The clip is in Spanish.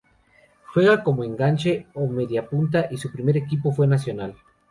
Juega como enganche o mediapunta y su primer equipo fue Nacional.